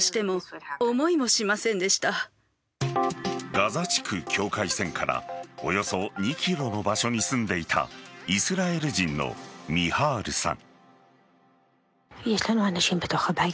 ガザ地区境界線からおよそ２ｋｍの場所に住んでいたイスラエル人のミハールさん。